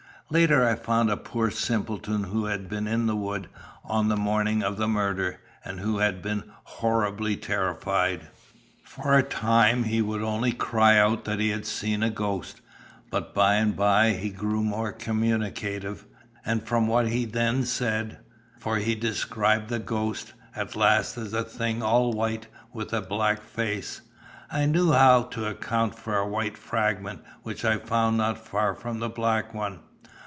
Later I found a poor simpleton who had been in the wood on the morning of the murder, and who had been horribly terrified. For a time he would only cry out that he had seen a ghost, but by and by he grew more communicative, and from what he then said for he described the 'ghost' at last as a thing all white with a black face I knew how to account for a white fragment which I found not far from the black one.